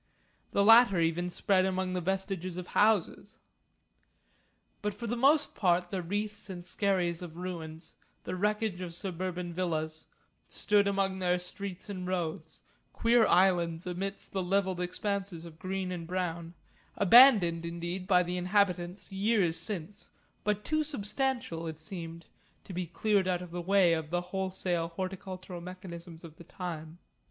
The latter even spread among the vestiges of houses. But for the most part the reefs and skerries of ruins, the wreckage of suburban villas, stood among their streets and roads, queer islands amidst the levelled expanses of green and brown, abandoned indeed by the inhabitants years since, but too substantial, it seemed, to be cleared out of the way of the wholesale horticultural mechanisms of the time.